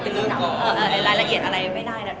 เป็นรายละเอียดอะไรไม่ได้นะ